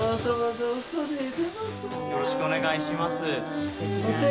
よろしくお願いします。